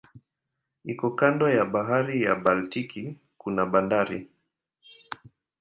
Iko kando ya bahari ya Baltiki kuna bandari.